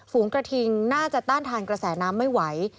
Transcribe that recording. ฝูงกระทิงน่าจะต้านทานกระแสน้ำไม่ไหว